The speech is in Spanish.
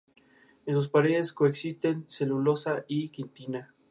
En sus paredes coexisten celulosa y quitina.